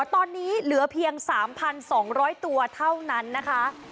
ตอนนี้เหลือเพียง๓๒๐๐ตัวเท่านั้นนะคะ